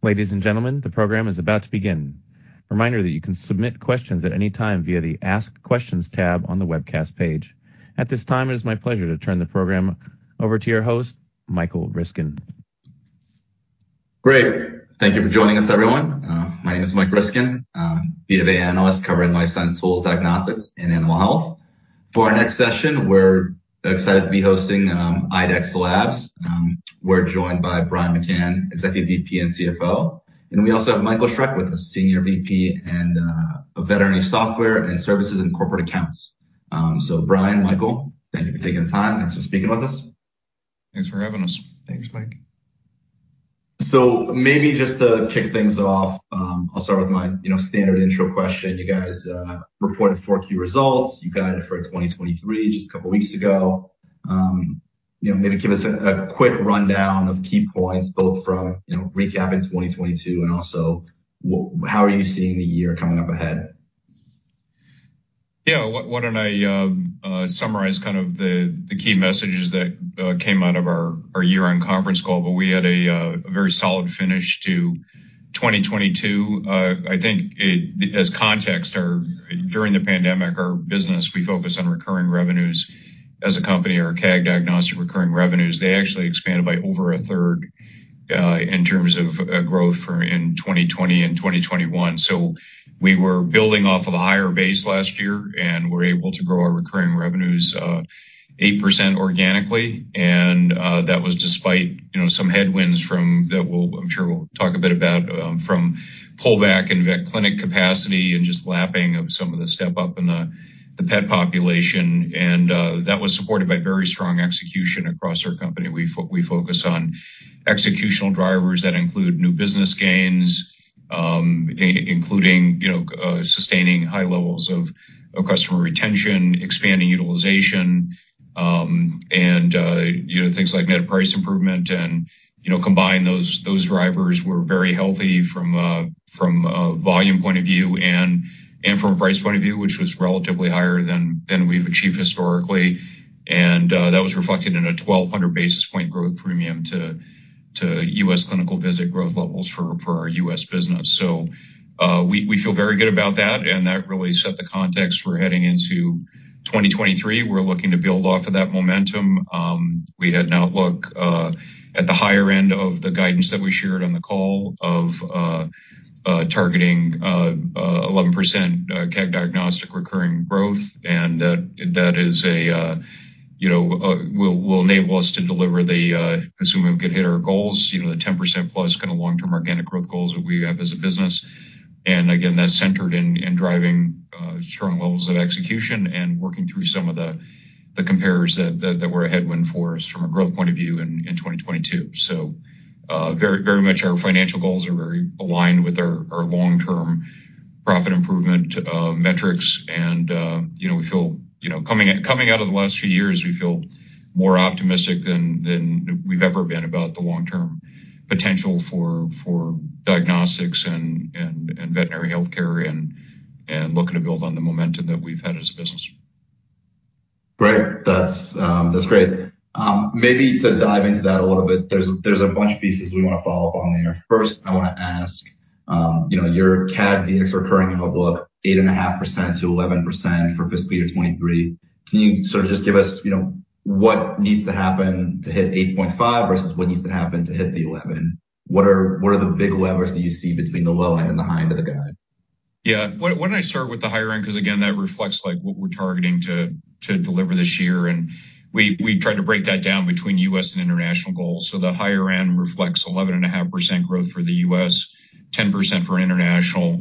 Ladies, and gentlemen, the program is about to begin. Reminder that you can submit questions at any time via the Ask Questions tab on the webcast page. At this time, it is my pleasure to turn the program over to your host, Michael Ryskin. Great. Thank you for joining us, everyone. My name is Michael Ryskin, BofA analyst covering life science tools, diagnostics, and animal health. For our next session, we're excited to be hosting IDEXX Labs. We're joined by Brian McKeon, Executive VP and CFO. We also have Michael Schreck with us, Senior VP and of Veterinary Software and Services and Corporate Accounts. Brian, Michael, thank you for taking the time. Thanks for speaking with us. Thanks for having us. Thanks, Mike. Maybe just to kick things off, I'll start with my, you know, standard intro question. You guys, reported 4Q results. You guided for 2023 just a couple weeks ago. You know, maybe give us a quick rundown of key points both from, you know, recapping 2022 and also how are you seeing the year coming up ahead? Yeah. Why, why don't I summarize kind of the key messages that came out of our year-end conference call. We had a very solid finish to 2022. As context, during the pandemic, our business, we focus on recurring revenues as a company. Our CAG Diagnostics recurring revenue, they actually expanded by over a third in terms of growth in 2020 and 2021. We were building off of a higher base last year, and we're able to grow our recurring revenues 8% organically, that was despite, you know, some headwinds that I'm sure we'll talk a bit about from pullback in vet clinic capacity and just lapping of some of the step-up in the pet population. That was supported by very strong execution across our company. We focus on executional drivers that include new business gains, including, you know, sustaining high levels of customer retention, expanding utilization, and, you know, things like net price improvement and, you know, combine those drivers were very healthy from a volume point of view and from a price point of view, which was relatively higher than we've achieved historically. That was reflected in a 1,200 basis point growth premium to U.S. clinical visit growth levels for our U.S. business. We feel very good about that, and that really set the context for heading into 2023. We're looking to build off of that momentum. We had an outlook at the higher end of the guidance that we shared on the call of targeting 11% CAG diagnostic recurring growth. That is a, you know, will enable us to deliver the, assuming we could hit our goals, you know, the 10%+ kind of long-term organic growth goals that we have as a business. Again, that's centered in driving strong levels of execution and working through some of the comparers that were a headwind for us from a growth point of view in 2022. Very much our financial goals are very aligned with our long-term profit improvement metrics and, you know, we feel, you know, coming out of the last few years, we feel more optimistic than we've ever been about the long-term potential for diagnostics and veterinary healthcare and looking to build on the momentum that we've had as a business. Great. That's great. Maybe to dive into that a little bit, there's a bunch of pieces we wanna follow up on there. First, I wanna ask, you know, your CAG Dx recurring outlook 8.5%-11% for fiscal year 2023. Can you sort of just give us, you know, what needs to happen to hit 8.5% versus what needs to happen to hit the 11%? What are the big levers that you see between the low end and the high end of the guide? Why don't I start with the higher end 'cause again that reflects like what we're targeting to deliver this year. We tried to break that down between U.S. and international goals. The higher end reflects 11.5% growth for the U.S., 10% for International.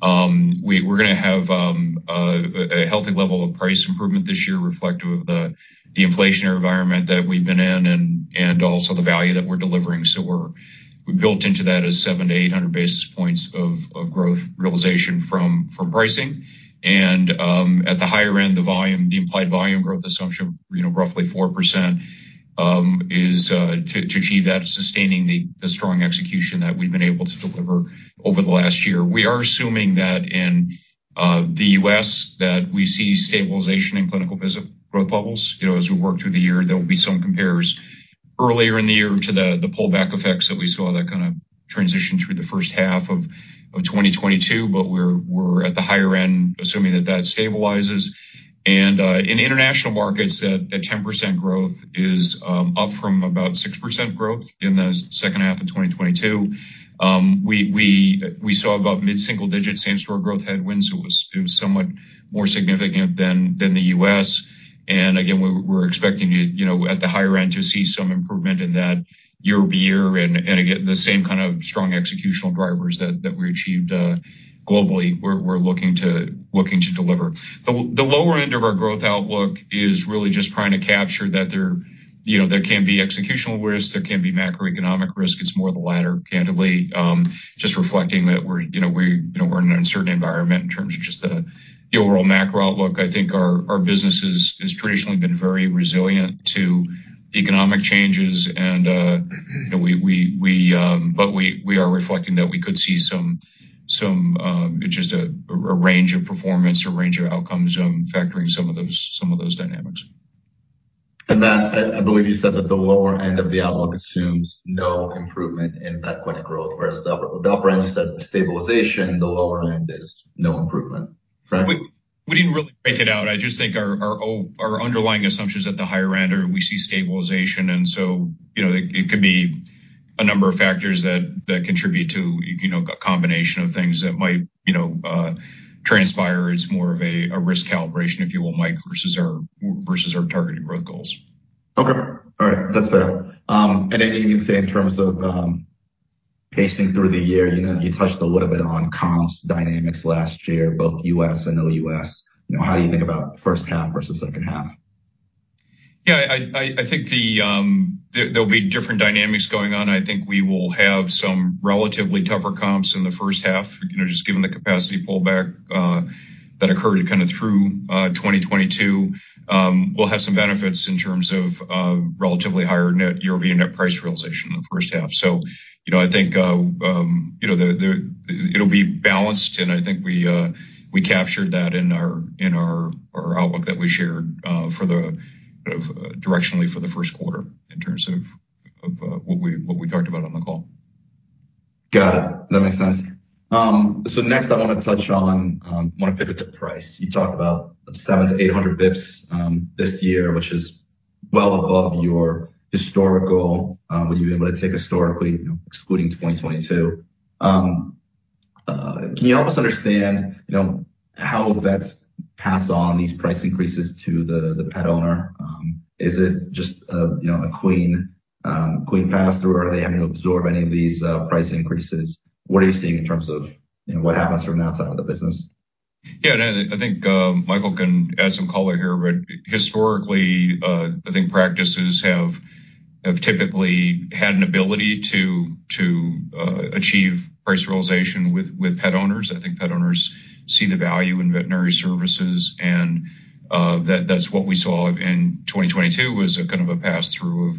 We're gonna have a healthy level of price improvement this year reflective of the inflationary environment that we've been in and also the value that we're delivering. We built into that as 700-800 basis points of growth realization from pricing. At the higher end, the implied volume growth assumption, you know, roughly 4%, is to achieve that sustaining the strong execution that we've been able to deliver over the last year. We are assuming that in the U.S. that we see stabilization in clinical visit growth levels. You know, as we work through the year, there will be some comparers earlier in the year to the pullback effects that we saw that kind of transitioned through the first half of 2022, but we're at the higher end assuming that that stabilizes. In international markets that 10% growth is up from about 6% growth in the second half of 2022. We saw about mid-single digit same store growth headwinds. It was somewhat more significant than the U.S. Again, we're expecting to, you know, at the higher end to see some improvement in that year-over-year and again, the same kind of strong executional drivers that we achieved globally, we're looking to deliver. The lower end of our growth outlook is really just trying to capture that there, you know, there can be executional risk, there can be macroeconomic risk. It's more the latter, candidly. Just reflecting that we're, you know, we, you know, we're in an uncertain environment in terms of just the overall macro outlook. I think our business has traditionally been very resilient to economic changes and, you know, we, but we are reflecting that we could see some just a range of performance or a range of outcomes, factoring some of those dynamics. That, I believe you said that the lower end of the outlook assumes no improvement in organic growth, whereas the upper end you said stabilization, the lower end is no improvement. Correct? We didn't really break it out. I just think our underlying assumptions at the higher end are we see stabilization and so, you know, it could be a number of factors that contribute to, you know, a combination of things that might, you know, transpire. It's more of a risk calibration, if you will, Mike, versus our targeted growth goals. Okay. All right. That's fair. Anything you can say in terms of pacing through the year? You know, you touched a little bit on comps dynamics last year, both U.S. and OUS. You know, how do you think about first half versus second half? Yeah, I think there'll be different dynamics going on. I think we will have some relatively tougher comps in the first half, you know, just given the capacity pullback, that occurred kind of through 2022. We'll have some benefits in terms of relatively higher net, European net price realization in the first half. You know, I think, you know, it'll be balanced, and I think we captured that in our outlook that we shared, for the, kind of, directionally for the first quarter in terms of what we talked about on the call. Got it. That makes sense. Next I wanna touch on, wanna pivot to price. You talked about 700-800 basis points this year, which is well above your historical, what you've been able to take historically, you know, excluding 2022. Can you help us understand, you know, how the vets pass on these price increases to the pet owner? Is it just a, you know, a clean pass-through, or are they having to absorb any of these price increases? What are you seeing in terms of, you know, what happens from that side of the business? Yeah, no, I think Michael can add some color here. Historically, I think practices have typically had an ability to achieve price realization with pet owners. I think pet owners see the value in veterinary services and that's what we saw in 2022 was a kind of a pass-through of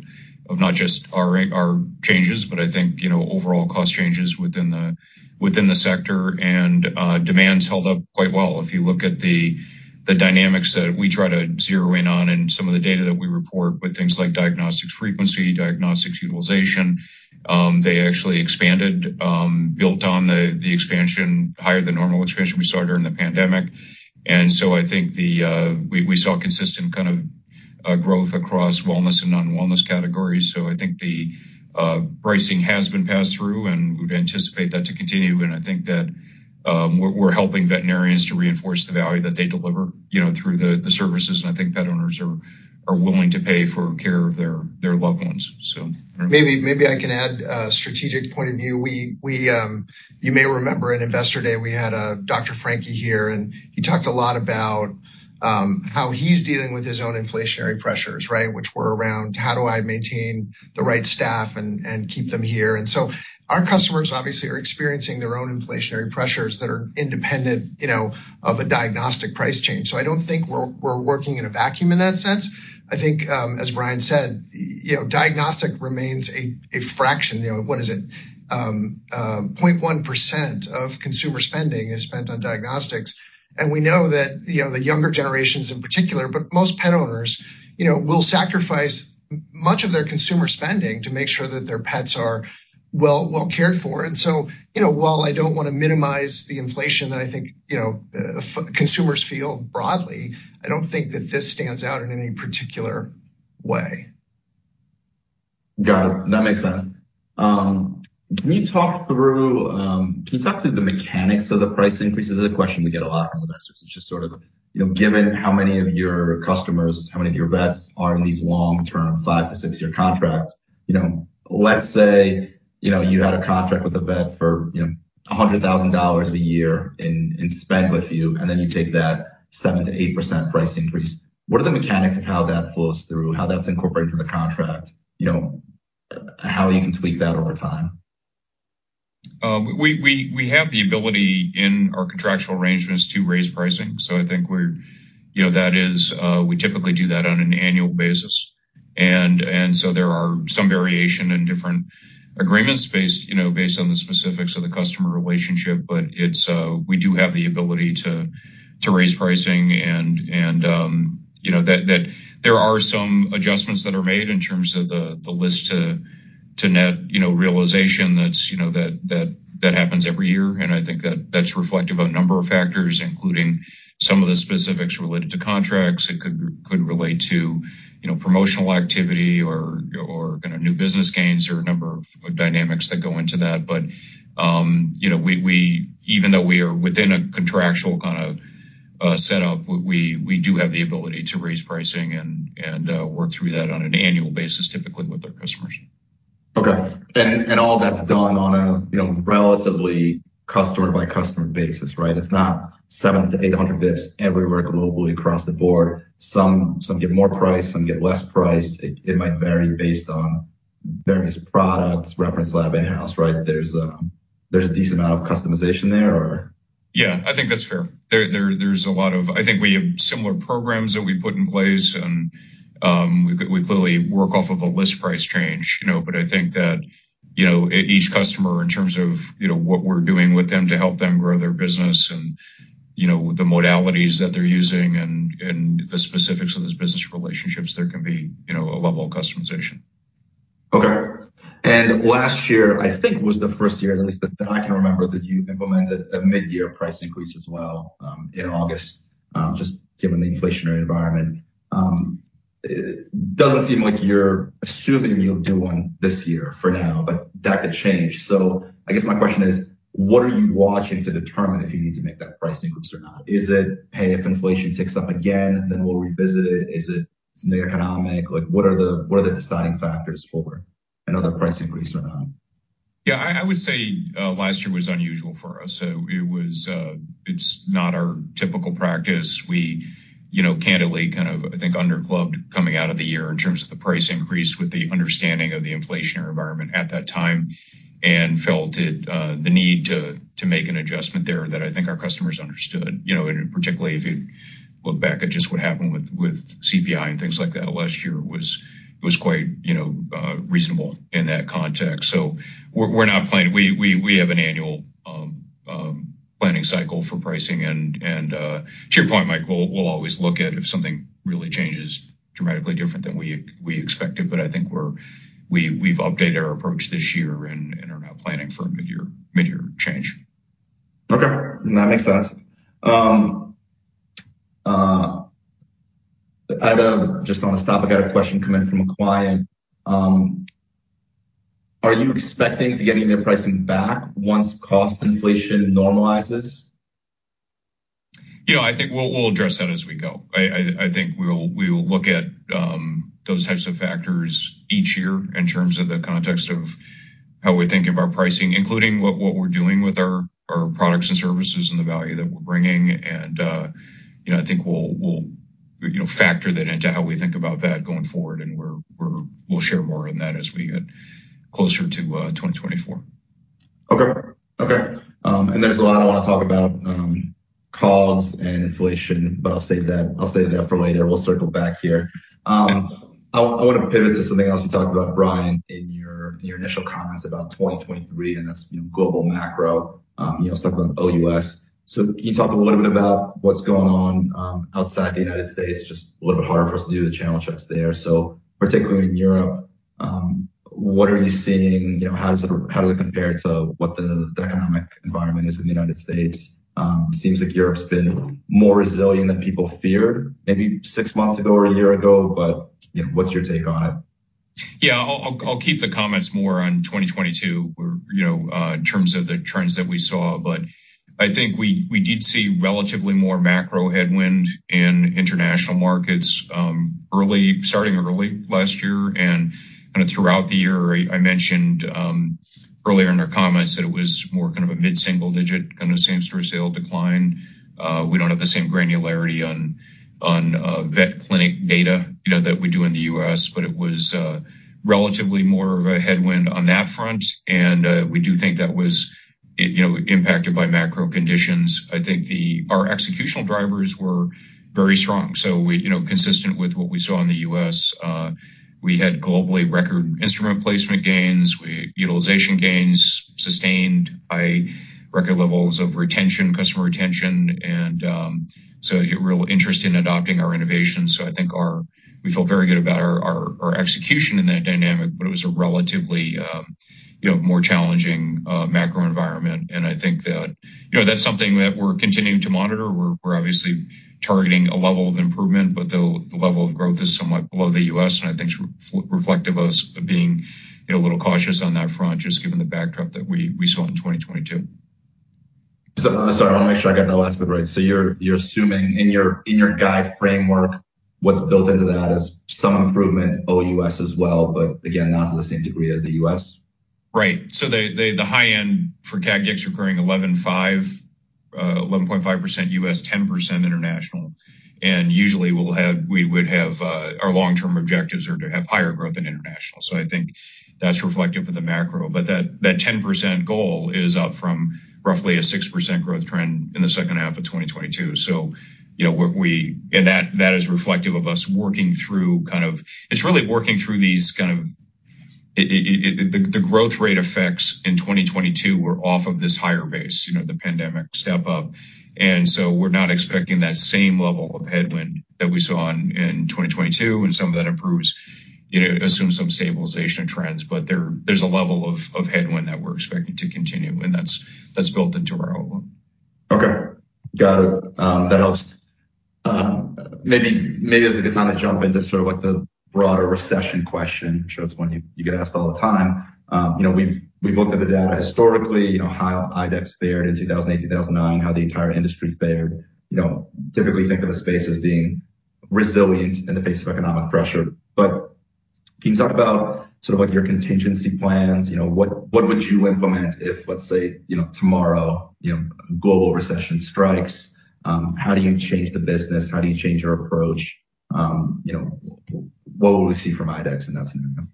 not just our changes, but I think, you know, overall cost changes within the sector. Demands held up quite well. If you look at the dynamics that we try to zero in on and some of the data that we report with things like diagnostic frequency, diagnostic utilization, they actually expanded, built on the expansion, higher than normal expansion we saw during the pandemic. I think the we saw consistent kind of growth across wellness and non-wellness categories. I think the pricing has been passed through, and we'd anticipate that to continue. I think that we're helping veterinarians to reinforce the value that they deliver, you know, through the services. I think pet owners are willing to pay for care of their loved ones. Maybe I can add a strategic point of view. We, you may remember in Investor Day, we had Dr. Frank here, and he talked a lot about how he's dealing with his own inflationary pressures, right? Which were around how do I maintain the right staff and keep them here. Our customers obviously are experiencing their own inflationary pressures that are independent, you know, of a diagnostic price change. I don't think we're working in a vacuum in that sense. I think, as Brian said, you know, diagnostic remains a fraction. You know, what is it? 0.1% of consumer spending is spent on diagnostics. We know that, you know, the younger generations in particular, but most pet owners, you know, will sacrifice much of their consumer spending to make sure that their pets are well cared for. While I don't wanna minimize the inflation that I think, you know, consumers feel broadly, I don't think that this stands out in any particular way. Got it. That makes sense. Can you talk through the mechanics of the price increases? It's a question we get a lot from investors. It's just sort of, you know, given how many of your customers, how many of your vets are in these long-term five to six-year contracts. You know, let's say, you know, you had a contract with a vet for, you know, $100,000 a year in spend with you, and then you take that 7%-8% price increase. What are the mechanics of how that flows through, how that's incorporated into the contract? You know, how you can tweak that over time? We have the ability in our contractual arrangements to raise pricing. I think, you know, that is, we typically do that on an annual basis. There are some variation in different agreements based, you know, based on the specifics of the customer relationship. It's, we do have the ability to raise pricing and, you know, there are some adjustments that are made in terms of the list to net, you know, realization that's, you know, that happens every year. I think that that's reflective of a number of factors, including some of the specifics related to contracts. It could relate to, you know, promotional activity or kind of new business gains or a number of dynamics that go into that. You know, we even though we are within a contractual kind of setup, we do have the ability to raise pricing and work through that on an annual basis, typically with our customers. Okay. All that's done on a, you know, relatively customer by customer basis, right? It's not 700-800 basis points everywhere globally across the board. Some get more price, some get less price. It might vary based on various products, reference lab in-house, right? There's a decent amount of customization there or? Yeah, I think that's fair. There's a lot of... I think we have similar programs that we put in place and we clearly work off of a list price change, you know? I think that, you know, each customer in terms of, you know, what we're doing with them to help them grow their business. You know, the modalities that they're using and the specifics of those business relationships, there can be, you know, a level of customization. Okay. Last year, I think, was the first year, at least that I can remember, that you implemented a mid-year price increase as well, in August, just given the inflationary environment. It doesn't seem like you're assuming you'll do one this year for now, but that could change. I guess my question is what are you watching to determine if you need to make that price increase or not? Is it, hey, if inflation ticks up again, then we'll revisit it? Is it something economic? Like, what are the deciding factors for another price increase or not? Yeah, I would say last year was unusual for us. It was, it's not our typical practice. We, you know, candidly kind of I think under clubbed coming out of the year in terms of the price increase with the understanding of the inflationary environment at that time and felt the need to make an adjustment there that I think our customers understood. You know, particularly if you look back at just what happened with CPI and things like that last year was quite, you know, reasonable in that context. We're, we have an annual planning cycle for pricing and, to your point, Michael, we'll always look at if something really changes dramatically different than we expected. I think we've updated our approach this year and are now planning for a midyear change. Okay. That makes sense. just on a topic, I got a question coming from a client. Are you expecting to get any of their pricing back once cost inflation normalizes? You know, I think we'll address that as we go. I think we'll look at those types of factors each year in terms of the context of how we're thinking about pricing, including what we're doing with our products and services and the value that we're bringing. You know, I think we'll, you know, factor that into how we think about that going forward, and we'll share more on that as we get closer to 2024. Okay. Okay. There's a lot I want to talk about COGS and inflation, but I'll save that, I'll save that for later. We'll circle back here. I want to pivot to something else you talked about, Brian, in your initial comments about 2023, and that's, you know, global macro. You know, let's talk about OUS. Can you talk a little bit about what's going on outside the U.S.? Just a little bit harder for us to do the channel checks there. Particularly in Europe, what are you seeing? You know, how does it compare to what the economic environment is in the U.S.? It seems like Europe's been more resilient than people feared maybe six months ago or a year ago, but, you know, what's your take on it? Yeah, I'll keep the comments more on 2022 or, you know, in terms of the trends that we saw. I think we did see relatively more macro headwind in international markets, starting early last year and kind of throughout the year. I mentioned earlier in our comments that it was more kind of a mid-single digit kind of same-store sale decline. We don't have the same granularity on vet clinic data, you know, that we do in the U.S., but it was relatively more of a headwind on that front. We do think that was, you know, impacted by macro conditions. I think our executional drivers were very strong. We, you know, consistent with what we saw in the U.S., we had globally record instrument placement gains. Utilization gains sustained by record levels of retention, customer retention, and so real interest in adopting our innovations. I think we feel very good about our, our execution in that dynamic, but it was a relatively, you know, more challenging macro environment. I think that, you know, that's something that we're continuing to monitor. We're obviously targeting a level of improvement, but the level of growth is somewhat below the U.S., and I think it's reflective of us being, you know, a little cautious on that front just given the backdrop that we saw in 2022. Sorry, I wanna make sure I got that last bit right. You're assuming in your guide framework, what's built into that is some improvement OUS as well, but again, not to the same degree as the U.S.? Right. The, the high end for CAG Dx recurring 11.5%, 11.5% U.S., 10% International. Usually we would have our long-term objectives are to have higher growth in international. I think that's reflective of the macro. That, that 10% goal is up from roughly a 6% growth trend in the second half of 2022. You know, that is reflective of us working through the growth rate effects in 2022 were off of this higher base, you know, the pandemic step up. We're not expecting that same level of headwind that we saw in 2022 and some of that improves, you know, assume some stabilization trends. There's a level of headwind that we're expecting to continue, and that's built into our outlook. Okay. Got it. That helps. Maybe this is a good time to jump into sort of like the broader recession question. I'm sure it's one you get asked all the time. You know, we've looked at the data historically, you know, how IDEXX fared in 2008, 2009, how the entire industry fared. You know, typically think of the space as being resilient in the face of economic pressure. Can you talk about sort of like your contingency plans? You know, what would you implement if, let's say, you know, tomorrow, you know, global recession strikes, how do you change the business? How do you change your approach? You know, what would we see from IDEXX in that scenario?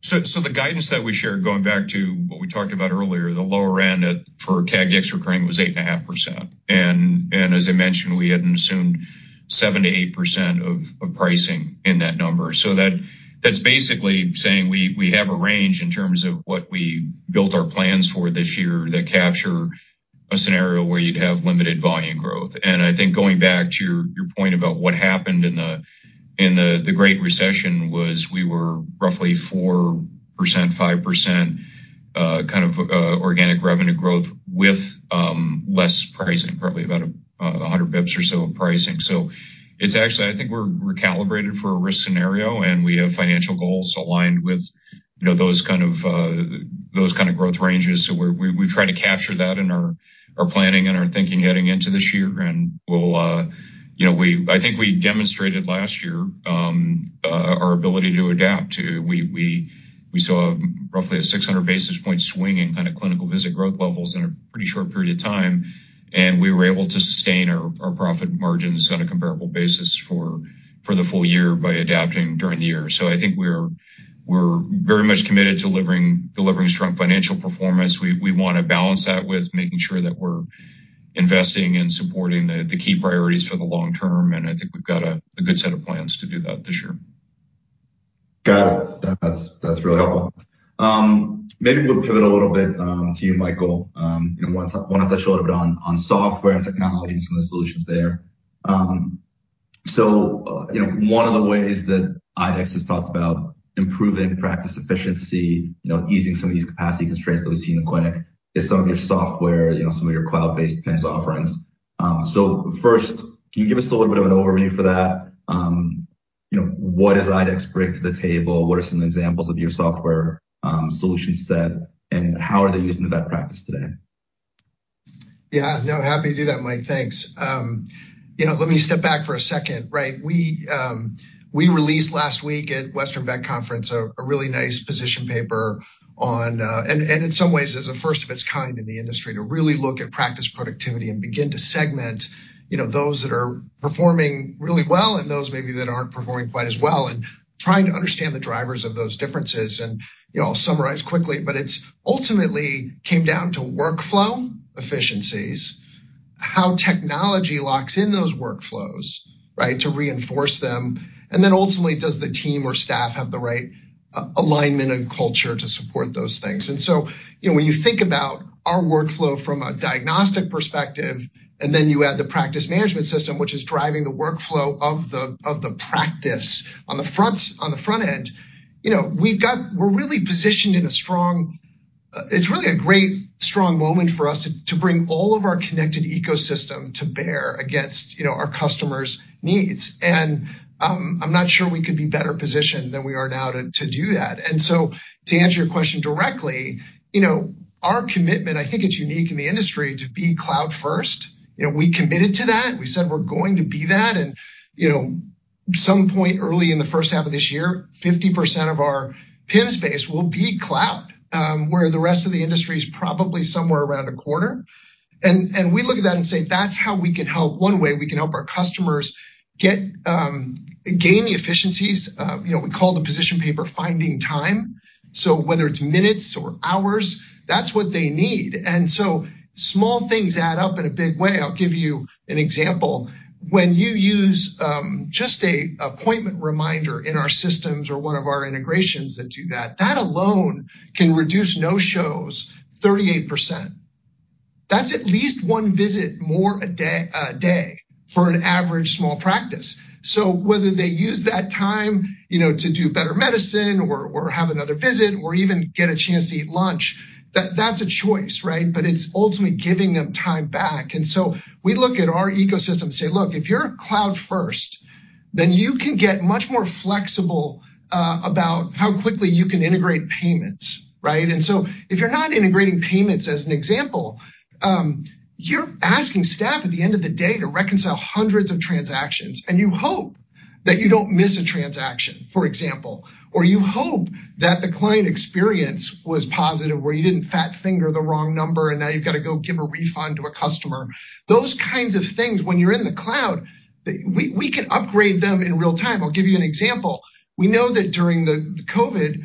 The guidance that we shared, going back to what we talked about earlier, the lower end for CAG Dx recurring was 8.5%. As I mentioned, we hadn't assumed 7%-8% of pricing in that number. That's basically saying we have a range in terms of what we built our plans for this year that capture a scenario where you'd have limited volume growth. I think going back to your point about what happened in the Great Recession was we were roughly 4%-5% kind of organic revenue growth with less pricing, probably about 100 basis points or so in pricing. It's actually, I think we're calibrated for a risk scenario, and we have financial goals aligned with, you know, those kind of, those kind of growth ranges. We try to capture that in our planning and our thinking heading into this year. We'll, you know, I think we demonstrated last year, our ability to adapt to. We saw roughly a 600 basis point swing in kind of clinical visit growth levels in a pretty short period of time, and we were able to sustain our profit margins on a comparable basis for the full year by adapting during the year. I think we're very much committed to delivering strong financial performance. We wanna balance that with making sure that we're investing and supporting the key priorities for the long term. I think we've got a good set of plans to do that this year. Got it. That's really helpful. Maybe we'll pivot a little bit to you, Michael. You know, wanna touch a little bit on software and technologies and the solutions there. You know, one of the ways that IDEXX has talked about improving practice efficiency, you know, easing some of these capacity constraints that we've seen in the clinic is some of your software, you know, some of your cloud-based PIMS offerings. First, can you give us a little bit of an overview for that? You know, what does IDEXX bring to the table? What are some examples of your software solution set, and how are they used in the vet practice today? Yeah. No, happy to do that, Mike. Thanks. You know, let me step back for a second, right? We released last week at Western Veterinary Conference a really nice position paper on, and in some ways as a first of its kind in the industry to really look at practice productivity and begin to segment, you know, those that are performing really well and those maybe that aren't performing quite as well and trying to understand the drivers of those differences. You know, I'll summarize quickly, but it's ultimately came down to workflow efficiencies, how technology locks in those workflows, right? To reinforce them, and then ultimately, does the team or staff have the right alignment and culture to support those things? You know, when you think about our workflow from a diagnostic perspective, and then you add the practice management system, which is driving the workflow of the, of the practice on the front end, you know, we've got. We're really positioned in a strong, it's really a great strong moment for us to bring all of our connected ecosystem to bear against, you know, our customers' needs. I'm not sure we could be better positioned than we are now to do that. To answer your question directly, you know, our commitment, I think it's unique in the industry to be cloud first. You know, we committed to that. We said we're going to be that. You know, some point early in the first half of this year, 50% of our PIMS base will be cloud, where the rest of the industry is probably somewhere around 1/4. We look at that and say, that's how we can help one way we can help our customers get gain the efficiencies. You know, we call the position paper Finding Time. Whether it's minutes or hours, that's what they need. Small things add up in a big way. I'll give you an example. When you use just a appointment reminder in our systems or one of our integrations that do that alone can reduce no-shows 38%. That's at least one visit more a day, a day for an average small practice. Whether they use that time, you know, to do better medicine or have another visit or even get a chance to eat lunch, that's a choice, right? It's ultimately giving them time back. We look at our ecosystem and say, look, if you're cloud first, then you can get much more flexible, about how quickly you can integrate payments, right? If you're not integrating payments, as an example, you're asking staff at the end of the day to reconcile hundreds of transactions, and you hope that you don't miss a transaction, for example. You hope that the client experience was positive, where you didn't fat-finger the wrong number and now you've got to go give a refund to a customer. Those kinds of things when you're in the cloud, we can upgrade them in real-time. I'll give you an example. We know that during the COVID,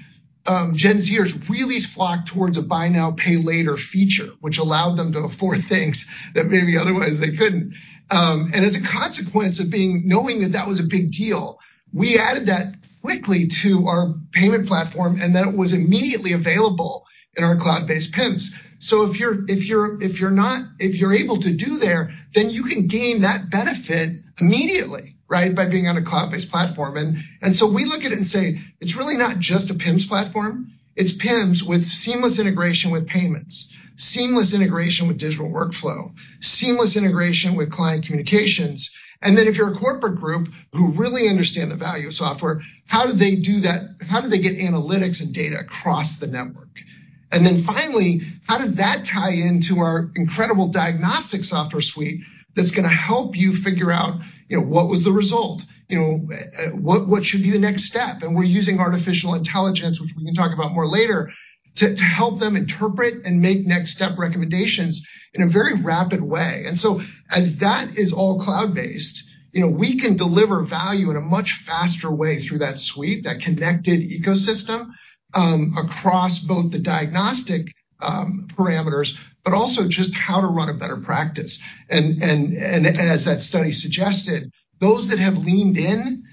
Gen Zers really flocked towards a buy now, pay later feature, which allowed them to afford things that maybe otherwise they couldn't. And as a consequence of knowing that that was a big deal, we added that quickly to our payment platform, then it was immediately available in our cloud-based PIMS. If you're able to do there, then you can gain that benefit immediately, right? By being on a cloud-based platform. So we look at it and say, it's really not just a PIMS platform. It's PIMS with seamless integration with payments, seamless integration with digital workflow, seamless integration with client communications. Then if you're a corporate group who really understand the value of software, how do they do that? How do they get analytics and data across the network? Then finally, how does that tie into our incredible diagnostic software suite that's gonna help you figure out, you know, what was the result? You know, what should be the next step? We're using artificial intelligence, which we can talk about more later, to help them interpret and make next step recommendations in a very rapid way. As that is all cloud-based, you know, we can deliver value in a much faster way through that suite, that connected ecosystem, across both the diagnostic-Parameters, but also just how to run a better practice. As that study suggested, those that have leaned in,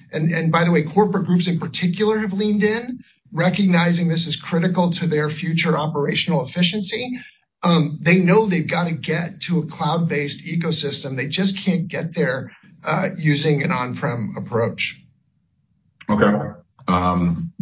by the way, corporate groups in particular have leaned in, recognizing this is critical to their future operational efficiency, they know they've got to get to a cloud-based ecosystem. They just can't get there, using an on-prem approach. Okay. Yeah,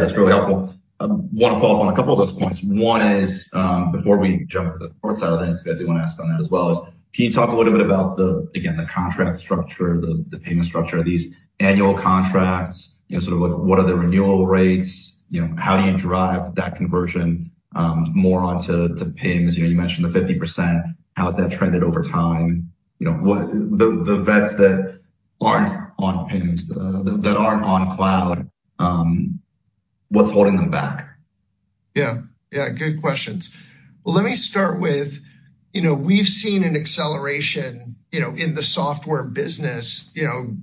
that's really helpful. Wanna follow up on a couple of those points. One is, before we jump to the fourth side of things, 'cause I do wanna ask on that as well is can you talk a little bit about the, again, the contract structure, the payment structure, these annual contracts, you know, sort of like what are the renewal rates? You know, how do you drive that conversion, more onto to PIMS? You know, you mentioned the 50%, how has that trended over time? The vets that aren't on PIMS, that aren't on cloud, what's holding them back? Yeah. Yeah, good questions. Let me start with, you know, we've seen an acceleration, you know, in the software business, you know,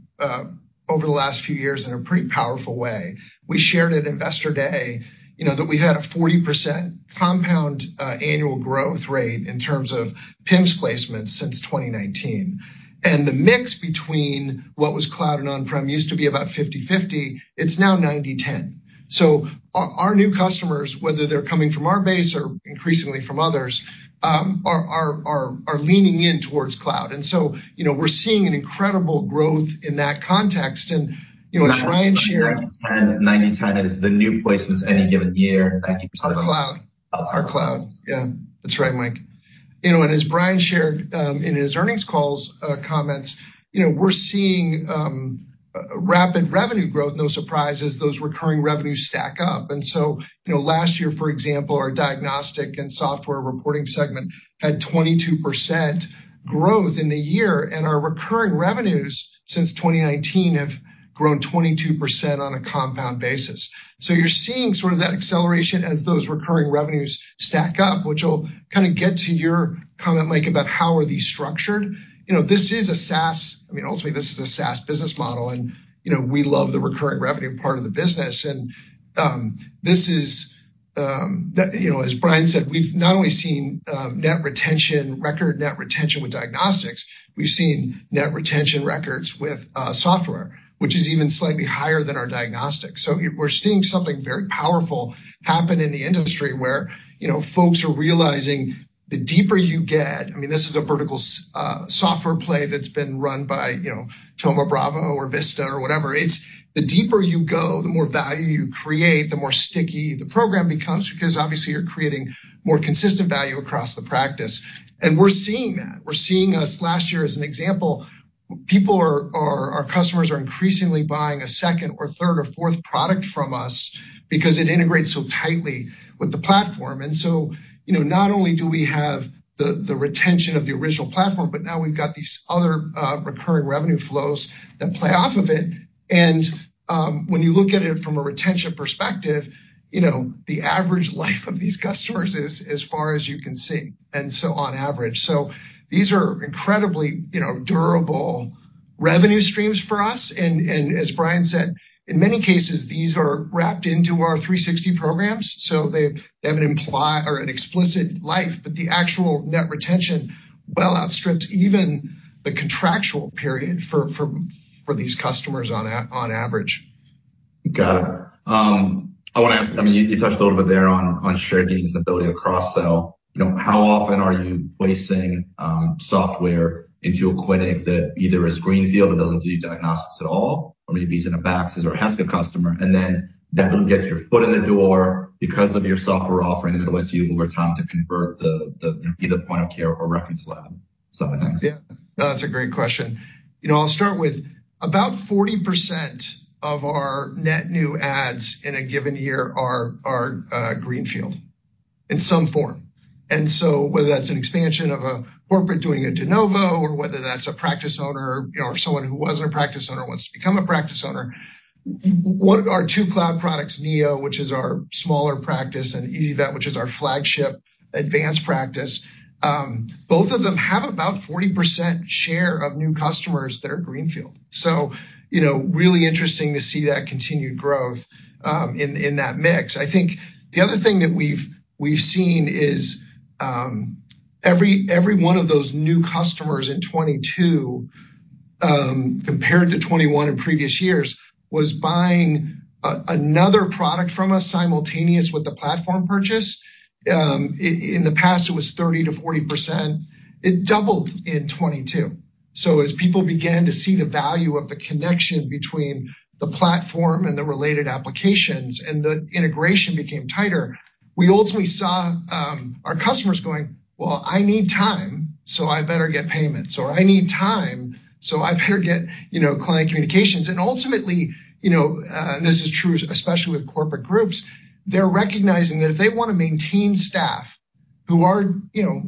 over the last few years in a pretty powerful way. We shared at Investor Day, you know, that we had a 40% compound annual growth rate in terms of PIMS placements since 2019. The mix between what was cloud and on-prem used to be about 50/50, it's now 90/10. Our new customers, whether they're coming from our base or increasingly from others, are leaning in towards cloud. You know, we're seeing an incredible growth in that context. You know, as Brian shared- 90/10. 90/10 is the new placements any given year, 90%- Are cloud. Are cloud. Yeah. That's right, Mike. You know, as Brian shared, in his earnings calls comments, you know, we're seeing rapid revenue growth, no surprise as those recurring revenues stack up. You know, last year, for example, our diagnostic and software reporting segment had 22% growth in the year. Our recurring revenues since 2019 have grown 22% on a compound basis. You're seeing sort of that acceleration as those recurring revenues stack up, which will kinda get to your comment, Mike, about how are these structured. You know, this is a SaaS. I mean, ultimately, this is a SaaS business model, and, you know, we love the recurring revenue part of the business. This is, you know, as Brian said, we've not only seen net retention, record net retention with diagnostics, we've seen net retention records with software, which is even slightly higher than our diagnostics. We're seeing something very powerful happen in the industry where, you know, folks are realizing the deeper you get, I mean, this is a vertical software play that's been run by, you know, Thoma Bravo or Vista or whatever. It's the deeper you go, the more value you create, the more sticky the program becomes because obviously you're creating more consistent value across the practice. We're seeing that. We're seeing as last year as an example, people are. Our customers are increasingly buying a second or third or fourth product from us because it integrates so tightly with the platform. You know, not only do we have the retention of the original platform, but now we've got these other recurring revenue flows that play off of it. When you look at it from a retention perspective, you know, the average life of these customers is as far as you can see, and so on average. These are incredibly, you know, durable revenue streams for us. As Brian said, in many cases, these are wrapped into our 360 programs, so they have an imply or an explicit life, but the actual net retention well outstripped even the contractual period for these customers on average. Got it. I wanna ask, I mean, you touched a little bit there on share gains and ability to cross-sell. You know, how often are you placing software into a clinic that either is greenfield or doesn't do diagnostics at all, or maybe it's in a Abaxis or a Heska customer, and then that gets your foot in the door because of your software offering that allows you over time to convert the, you know, either point of care or reference lab side of things? No, that's a great question. You know, I'll start with about 40% of our net new ads in a given year are greenfield in some form. Whether that's an expansion of a corporate doing a de novo or whether that's a practice owner or someone who wasn't a practice owner wants to become a practice owner, our two cloud products, Neo, which is our smaller practice, and Animana, which is our flagship advanced practice, both of them have about 40% share of new customers that are greenfield. You know, really interesting to see that continued growth in that mix. I think the other thing that we've seen is every one of those new customers in 2022 compared to 2021 and previous years was buying another product from us simultaneous with the platform purchase. In the past, it was 30%-40%. It doubled in 2022. As people began to see the value of the connection between the platform and the related applications and the integration became tighter, we ultimately saw our customers going, "Well, I need time, so I better get payments," or, "I need time, so I better get, you know, client communications." Ultimately, you know, and this is true especially with corporate groups, they're recognizing that if they wanna maintain staff who are, you know,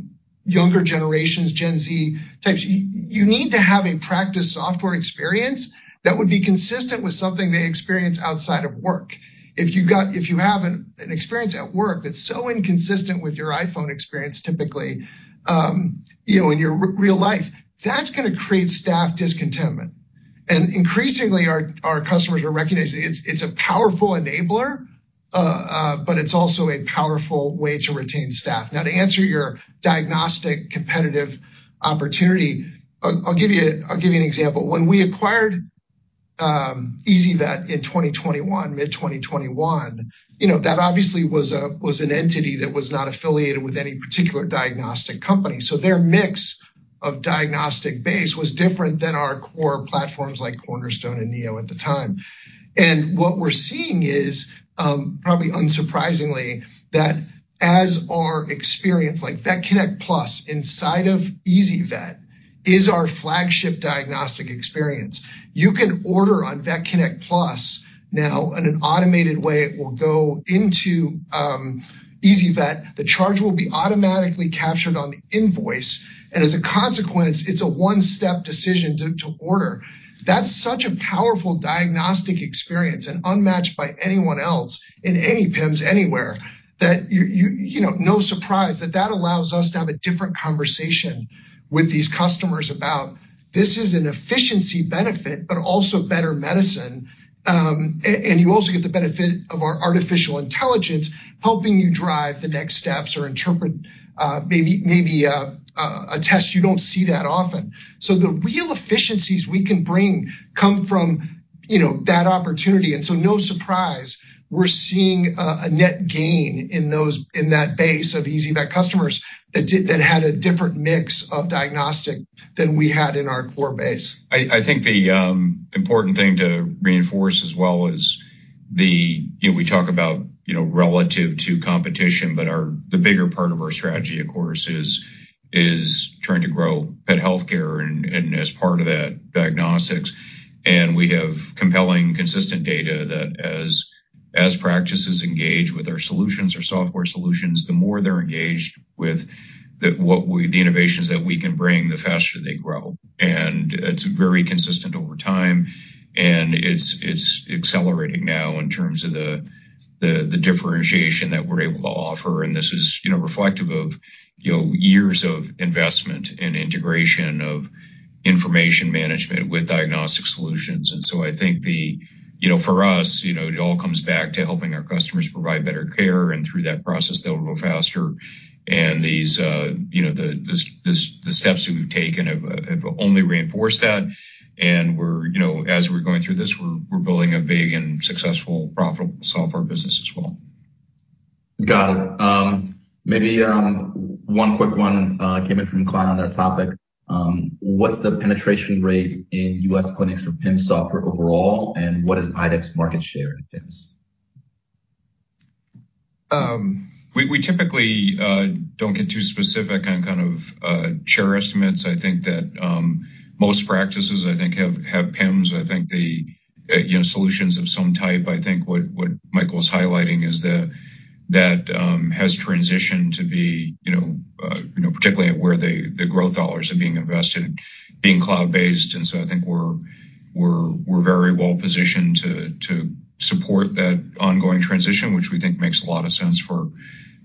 younger generations, Gen Z types, you need to have a practice software experience that would be consistent with something they experience outside of work. If you have an experience at work that's so inconsistent with your iPhone experience, typically, you know, in your real life, that's gonna create staff discontentment. Increasingly our customers are recognizing it's a powerful enabler, but it's also a powerful way to retain staff. Now, to answer your diagnostic competitive opportunity, I'll give you an example. When we acquired ezyVet in 2021, mid-2021, you know, that obviously was an entity that was not affiliated with any particular diagnostic company. Their mix of diagnostic base was different than our core platforms like Cornerstone and Neo at the time. What we're seeing is, probably unsurprisingly, that as our experience like VetConnect PLUS inside of ezyVet is our flagship diagnostic experience. You can order on VetConnect PLUS now in an automated way. It will go into ezyVet. The charge will be automatically captured on the invoice, and as a consequence, it's a one-step decision to order. That's such a powerful diagnostic experience and unmatched by anyone else in any PIMS anywhere that you know, no surprise that that allows us to have a different conversation with these customers about this is an efficiency benefit, but also better medicine. You also get the benefit of our artificial intelligence helping you drive the next steps or interpret maybe a test you don't see that often. The real efficiencies we can bring come from, you know, that opportunity. No surprise, we're seeing a net gain in that base of ezyVet customers that had a different mix of diagnostic than we had in our core base. I think the important thing to reinforce as well is the. You know, we talk about, you know, relative to competition, but the bigger part of our strategy, of course, is trying to grow pet healthcare and as part of that, diagnostics. We have compelling, consistent data that as practices engage with our solutions or software solutions, the more they're engaged with the innovations that we can bring, the faster they grow. It's very consistent over time, and it's accelerating now in terms of the, the differentiation that we're able to offer. This is, you know, reflective of, you know, years of investment and integration of information management with diagnostic solutions. I think the. You know, for us, you know, it all comes back to helping our customers provide better care. Through that process they'll go faster. These, you know, the steps that we've taken have only reinforced that. We're, you know, as we're going through this, we're building a big and successful, profitable software business as well. Got it. Maybe, one quick one, came in from a client on that topic. What's the penetration rate in U.S. clinics for PIMS software overall, and what is IDEXX market share in PIMS? We typically don't get too specific on kind of share estimates. I think that most practices I think have PIMS. I think the, you know, solutions of some type. I think what Michael was highlighting is that has transitioned to be, you know, particularly at where the growth dollars are being invested, being cloud-based. I think we're very well positioned to support that ongoing transition, which we think makes a lot of sense for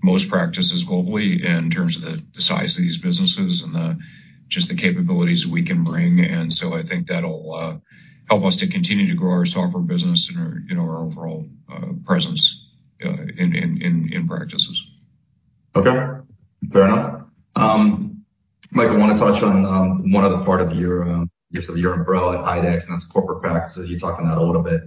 most practices globally in terms of the size of these businesses and the capabilities we can bring. I think that'll help us to continue to grow our software business and our overall presence in practices. Okay. Fair enough. Mike, I wanna touch on one other part of your gifts of your umbrella at IDEXX, that's corporate practices. You talked on that a little bit.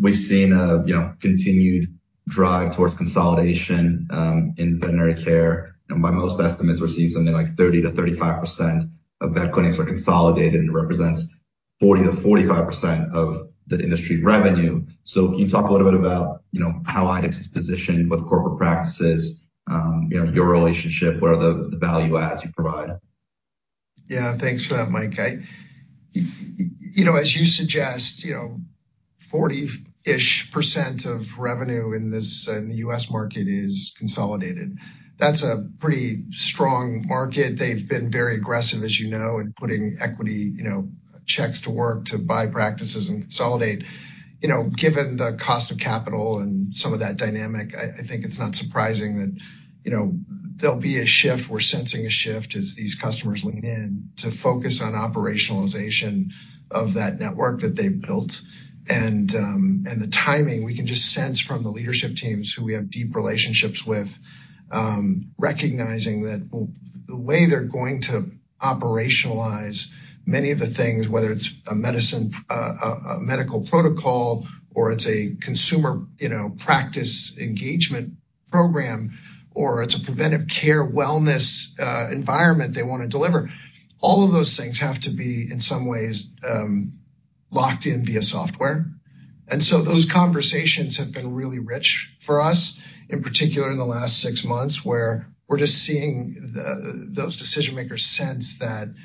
We've seen a, you know, continued drive towards consolidation in veterinary care. By most estimates, we're seeing something like 30%-35% of vet clinics are consolidated and represents 40%-45% of the industry revenue. Can you talk a little bit about, you know, how IDEXX is positioned with corporate practices, you know, your relationship, what are the value adds you provide? Yeah. Thanks for that, Mike. You know, as you suggest, you know, 40-ish% of revenue in this, in the U.S. market is consolidated. That's a pretty strong market. They've been very aggressive, as you know, in putting equity, you know, checks to work to buy practices and consolidate. You know, given the cost of capital and some of that dynamic, I think it's not surprising that, you know, there'll be a shift. We're sensing a shift as these customers lean in to focus on operationalization of that network that they've built. The timing, we can just sense from the leadership teams who we have deep relationships with, recognizing that the way they're going to operationalize many of the things, whether it's a medicine, a medical protocol or it's a consumer, you know, practice engagement program or it's a preventive care wellness, environment they wanna deliver, all of those things have to be, in some ways, locked in via software. Those conversations have been really rich for us, in particular in the last six months, where we're just seeing the, those decision makers sense that, you know,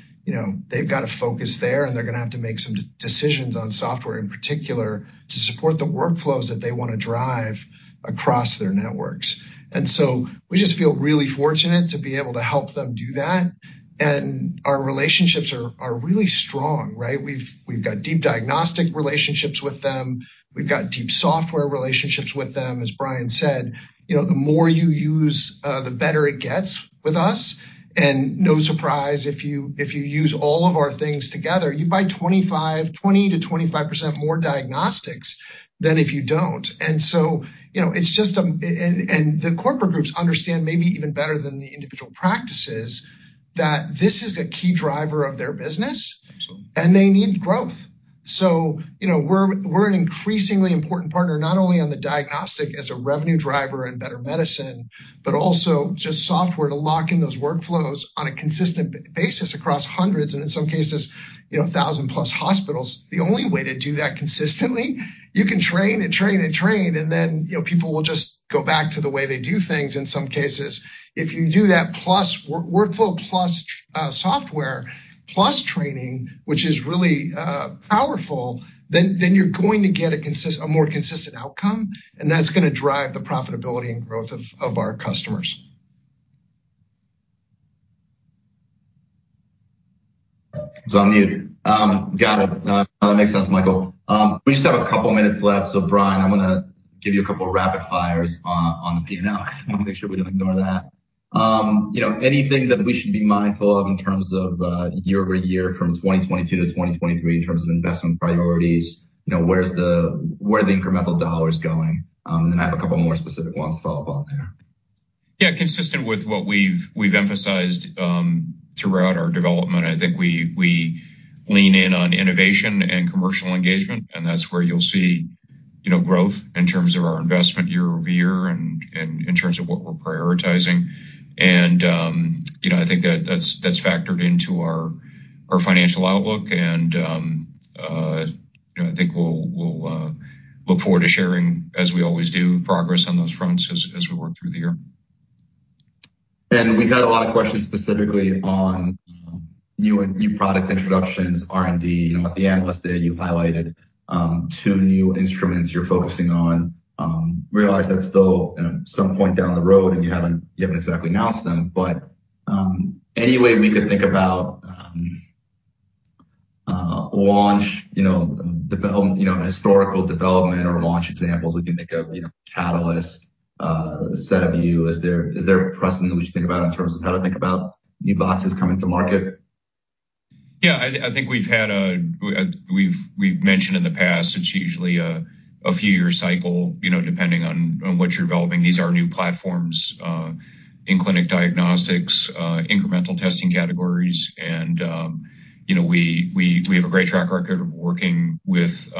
they've got a focus there, and they're gonna have to make some decisions on software in particular to support the workflows that they wanna drive across their networks. We just feel really fortunate to be able to help them do that. Our relationships are really strong, right? We've got deep diagnostic relationships with them. We've got deep software relationships with them. As Brian said, you know, the more you use, the better it gets with us. No surprise, if you use all of our things together, you buy 20%-25% more diagnostics than if you don't. You know, it's just. The corporate groups understand maybe even better than the individual practices that this is a key driver of their business. Absolutely. They need growth. You know, we're an increasingly important partner, not only on the diagnostic as a revenue driver and better medicine, but also just software to lock in those workflows on a consistent basis across hundreds, and in some cases, you know, 1000+ hospitals. The only way to do that consistently, you can train and train, and then, you know, people will just go back to the way they do things in some cases. If you do that plus workflow, plus software, plus training, which is really powerful, then you're going to get a more consistent outcome, and that's gonna drive the profitability and growth of our customers. I'm mute. Got it. That makes sense, Michael. We just have a couple minutes left, so Brian, I'm gonna give you a couple rapid fires on the P&L 'cause I wanna make sure we don't ignore that. You know, anything that we should be mindful of in terms of year-over-year from 2022-2023 in terms of investment priorities? You know, where are the incremental dollars going? Then I have a couple more specific ones to follow up on there. Yeah. Consistent with what we've emphasized, throughout our development, I think we lean in on innovation and commercial engagement. That's where you'll see, you know, growth in terms of our investment year-over-year and in terms of what we're prioritizing. I think that that's factored into our financial outlook. You know, I think we'll look forward to sharing, as we always do, progress on those fronts as we work through the year. We've had a lot of questions specifically on new and new product introductions, R&D. You know, at the Investor Day, you highlighted two new instruments you're focusing on. Realize that's still at some point down the road and you haven't exactly announced them, but any way we could think about launch, you know, develop, you know, historical development or launch examples we can think of, you know, Catalyst, SediVue Dx. Is there a precedent that we should think about in terms of how to think about new boxes coming to market? Yeah. We've mentioned in the past, it's usually a few year cycle, you know, depending on what you're developing. These are new platforms, in clinic diagnostics, incremental testing categories. You know, we have a great track record of working with,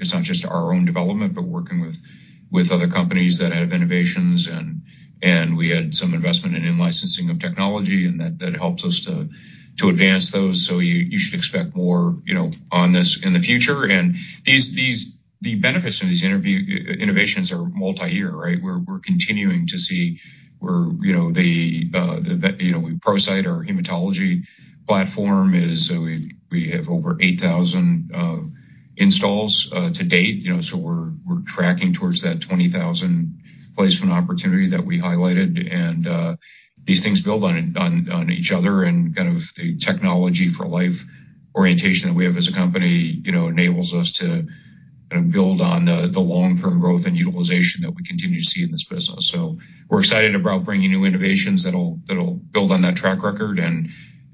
it's not just our own development, but working with other companies that have innovations and we had some investment in in-licensing of technology and that helps us to advance those. You should expect more, you know, on this in the future. These the benefits from these innovations are multi-year, right? We're continuing to see where, you know, the, you know, ProCyte, our hematology platform is, so we have over 8,000 installs to date. You know, we're tracking towards that 20,000 placement opportunity that we highlighted. These things build on each other and kind of the Technology for Life orientation that we have as a company, you know, enables us to kind of build on the long-term growth and utilization that we continue to see in this business. We're excited about bringing new innovations that'll build on that track record and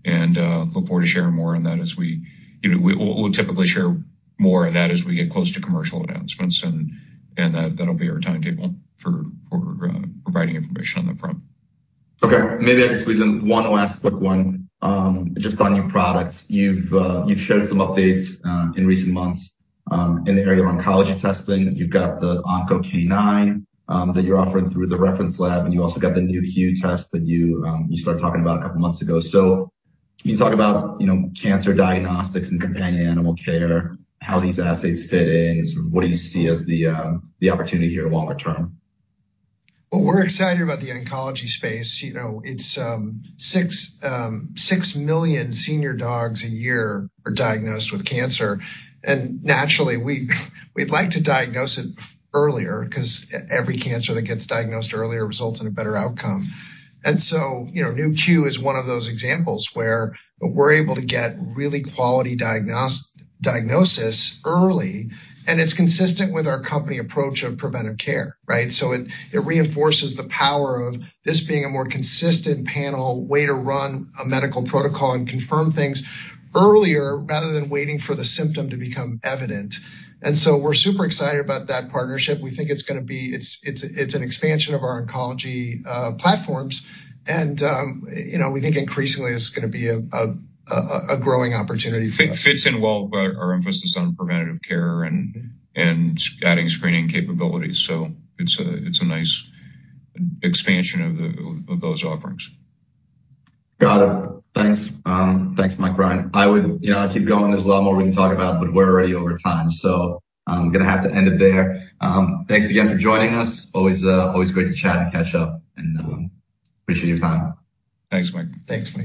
look forward to sharing more on that as we. You know, we'll typically share more on that as we get close to commercial announcements, and that'll be our timetable for providing information on that front. Maybe I'll just squeeze in one last quick one just on new products. You've shared some updates in recent months in the area of oncology testing. You've got the OncoK9 that you're offering through the reference lab, and you've also got the Nu.Q test that you started talking about a couple months ago. Can you talk about, you know, cancer diagnostics and companion animal care, how these assays fit in? Sort of what do you see as the opportunity here longer term? Well, we're excited about the oncology space. You know, it's 6 million senior dogs a year are diagnosed with cancer. Naturally, we'd like to diagnose it earlier 'cause every cancer that gets diagnosed earlier results in a better outcome. And, so, you know, Nu.Q is one of those examples where we're able to get really quality diagnosis early, and it's consistent with our company approach of preventive care, right? It, it reinforces the power of this being a more consistent panel way to run a medical protocol and confirm things earlier rather than waiting for the symptom to become evident. We're super excited about that partnership. It's an expansion of our oncology platforms, and, you know, we think increasingly this is gonna be a growing opportunity for. Fits in well with our emphasis on preventative care and adding screening capabilities. It's a nice expansion of those offerings. Got it. Thanks. Thanks, Mike, Brian. I would, you know, keep going. There's a lot more we can talk about, but we're already over time, so I'm gonna have to end it there. Thanks again for joining us. Always great to chat and catch up, and appreciate your time. Thanks, Mike. Thanks, Mike.